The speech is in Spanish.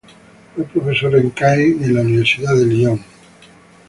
Fue profesor en Caen y en la universidad de Lyon.